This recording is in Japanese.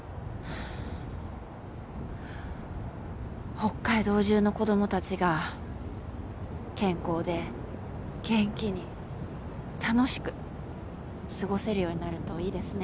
北海道中の子供たちが健康で元気に楽しく過ごせるようになるといいですね。